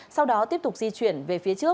sau đó tiếp tục di chuyển về phía trước